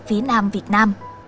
phía nam việt nam